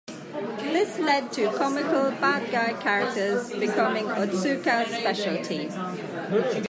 This led to comical "bad guy" characters becoming Otsuka's speciality.